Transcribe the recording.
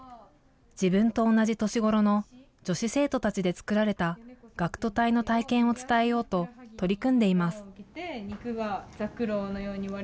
自分と同じ年頃の、女子生徒たちで作られた学徒隊の体験を伝えようと、取り組んでいます。